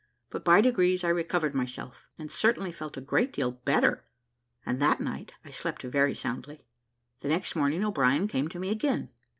But, by degrees, I recovered myself, and certainly felt a great deal better, and that night I slept very soundly. The next morning O'Brien came to me again.